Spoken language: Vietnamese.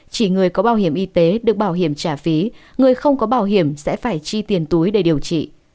chỉ người có bảo hiểm y tế được bảo hiểm trả phí người không có bảo hiểm sẽ phải chi tiền túi để điều trị